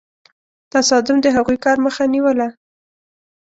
تصادم د هغوی کار مخه نیوله.